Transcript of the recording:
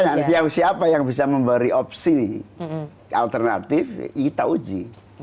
nah siapa yang bisa memberi opsi alternatif kita uji